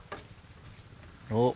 おっ。